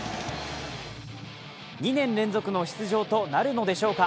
２年連続の出場となるのでしょうか